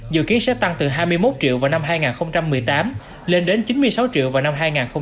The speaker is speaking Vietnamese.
dự kiến sẽ tăng từ hai mươi một triệu vào năm hai nghìn một mươi tám lên đến chín mươi sáu triệu vào năm hai nghìn hai mươi